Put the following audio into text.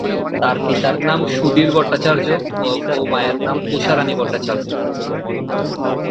তার পিতার নাম সুধীর ভট্টাচার্য্য ও মায়ের নাম ঊষা রাণী ভট্টাচার্য্য।